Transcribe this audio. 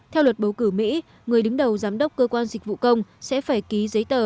theo luật bầu cử mỹ người đứng đầu giám đốc cơ quan dịch vụ công sẽ phải ký giấy tờ